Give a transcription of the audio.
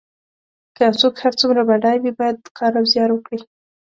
که یو څوک هر څومره بډای وي باید کار او زیار وکړي.